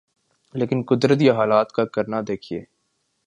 لیکن قدرت یا حالات کا کرنا دیکھیے۔